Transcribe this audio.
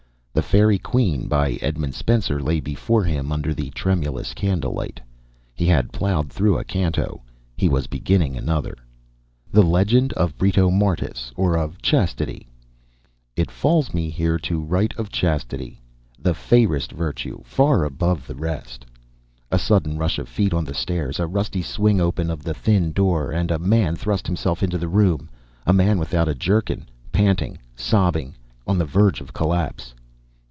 "The Faerie Queene" by Edmund Spenser lay before him under the tremulous candle light. He had ploughed through a canto; he was beginning another: THE LEGEND OF BRITOMARTIS OR OF CHASTITY It falls me here to write of Chastity. The fayrest vertue, far above the rest.... A sudden rush of feet on the stairs, a rusty swing open of the thin door, and a man thrust himself into the room, a man without a jerkin, panting, sobbing, on the verge of collapse.